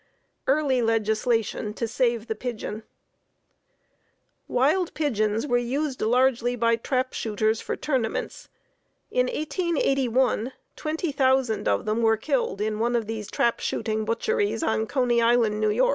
EARLY LEGISLATION TO SAVE THE PIGEON Wild pigeons were used largely by trap shooters for tournaments. In 1881, 20,000 of them were killed in one of these trap shooting butcheries on Coney Island, N. Y.